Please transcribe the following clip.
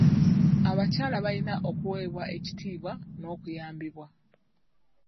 Abakyala bayina okuweebwa ekitiibwa n'okuyambibwa.